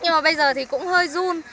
nhưng mà bây giờ thì cũng hơi run